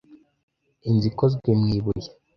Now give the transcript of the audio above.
Inzu ikozwe mu ibuye.